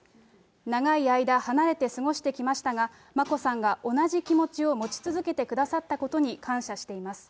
長い間、離れて過ごしてきましたが、眞子さんが同じ気持ちを持ち続けてくださったことに感謝しています。